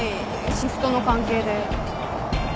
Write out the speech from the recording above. シフトの関係で。